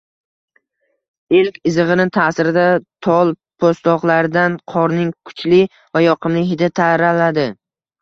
Ilk izgʻirin taʼsirida tol poʻstloqlaridan qorning kuchli va yoqimli hidi taraladi.